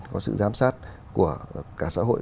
có sự giám sát của cả xã hội